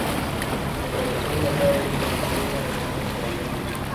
لکه د جنګ لپاره چې یې منو او ورته تیاری نیسو.